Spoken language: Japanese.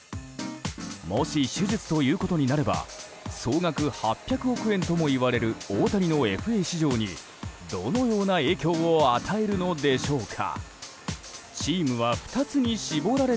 もし手術ということになれば総額８００億円ともいわれる大谷のＦＡ市場にどのような影響を与えるのでしょうか。